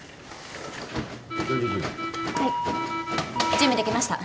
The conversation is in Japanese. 準備できました。